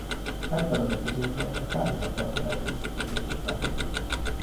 Ebben az epizódban egy pár hónappal korábbi visszatekintést láthatunk.